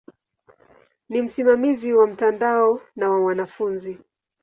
Ni msimamizi wa mtandao na wa wanafunzi.